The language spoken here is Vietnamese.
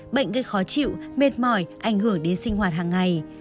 bệnh gây khó chịu mệt mỏi ảnh hưởng đến sinh hoạt hàng ngày